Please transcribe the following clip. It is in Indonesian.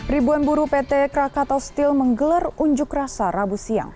ribuan buruh pt krakatau steel menggelar unjuk rasa rabu siang